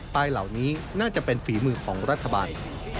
เหล่านี้น่าจะเป็นฝีมือของรัฐบาล